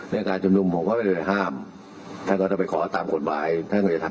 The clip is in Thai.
มีศาสตราจารย์พิเศษวิชามหาคุณเป็นประเทศด้านกรวมความวิทยาลัยธรม